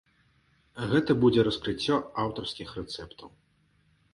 Гэта будзе раскрыццё аўтарскіх рэцэптаў.